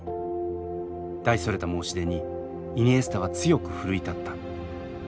大それた申し出にイニエスタは強く奮い立った。